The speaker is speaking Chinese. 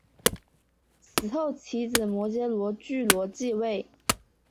死后其子摩醯逻矩罗即位。